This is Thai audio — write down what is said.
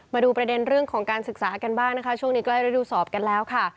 มาดูประเด็นเรื่องของการศึกษากันบ้างนะคะช่วงนี้ใกล้ฤดูสอบกันแล้วค่ะ